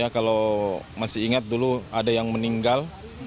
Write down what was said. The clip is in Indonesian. kalau masih ingat dulu ada yang meninggal